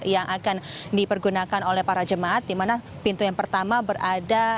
yang akan dipergunakan oleh para jemaat di mana pintu yang pertama berada